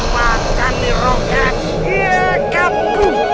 matahari rohnya iya kapu